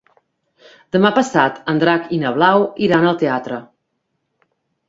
Demà passat en Drac i na Blau iran al teatre.